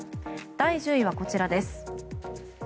第１０位はこちらです。